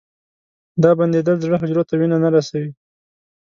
دا بندېدل زړه حجرو ته وینه نه رسوي.